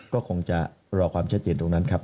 ก็คงจะรอความชัดเจนตรงนั้นครับ